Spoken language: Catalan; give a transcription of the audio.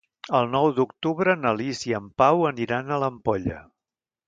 El nou d'octubre na Lis i en Pau aniran a l'Ampolla.